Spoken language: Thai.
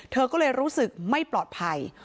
เธอก็เลยรู้สึกไม่ปลอดภัย